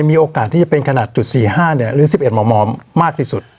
มีโอกาสที่จะเป็นขนาดจุดสี่ห้าเนี้ยหรือสิบเอ็ดหมอมอมมากที่สุด